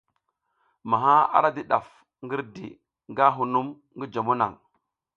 Maha ara di ɗaf ngirdi nga hunum ngi jomo naŋ.